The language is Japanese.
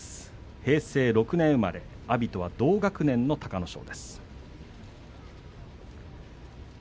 平成６年生まれ阿炎とは同学年の隆の勝です。